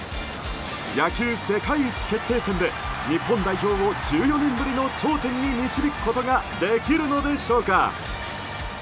野球世界一決定戦で日本代表を１４年ぶりの頂点に導くことができるのでしょうか。